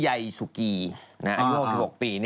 ใยซุกีอันนี้๖๖ปี